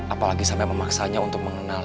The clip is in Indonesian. apalagi sampai memaksanya untuk mengenal